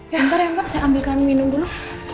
ya ntar ya mbak saya ambilkan minum dulu